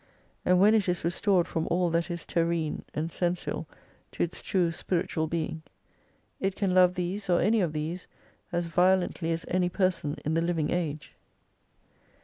And when it is restored from all that is terrene and sensual to its true spiritual being, it can love these, or any of these, as violently as any person in the living age.